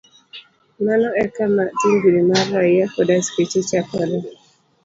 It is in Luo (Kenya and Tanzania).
Mano e kama tungni mag raia kod askache chakoree.